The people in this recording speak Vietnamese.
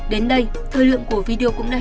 đến đây thời lượng của video cũng đã hết